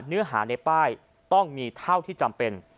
เนื้อหาในป้ายต้องมีเท่าที่จำเป็น